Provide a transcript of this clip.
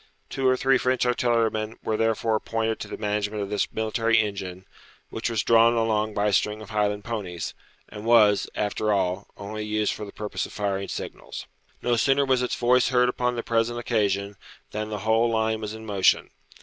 Two or three French artillerymen were therefore appointed to the management of this military engine, which was drawn along by a string of Highland ponies, and was, after all, only used for the purpose of firing signals. [Footnote: See Note 6.] No sooner was its voice heard upon the present occasion than the whole line was in motion.